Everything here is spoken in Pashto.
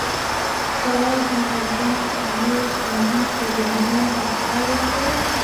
شواب د مورګان او نورو شتمنو په ذهنونو کې کار وکړ